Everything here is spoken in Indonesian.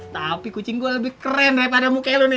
tapi kucing gua lebih keren daripada muka lo nih